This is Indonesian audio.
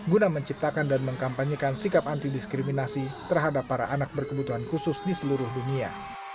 guna menciptakan dan mengkampanyekan sikap anti diskriminasi terhadap para anak berkebutuhan khusus di seluruh dunia